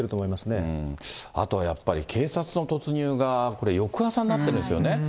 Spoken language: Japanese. あとはやっぱり、警察の突入がこれ、翌朝になってるんですよね。